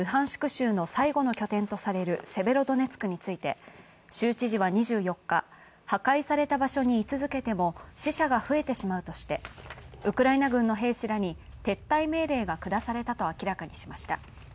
州の最後の拠点とされるセベロドネツクについて、州知事は２４日、破壊された場所にい続けても死者が増えてしまうとしてウクライナ軍の兵士らに撤退命令が下されたと明らかにしました。